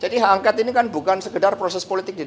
jadi haket ini kan bukan sekedar proses politik di dpr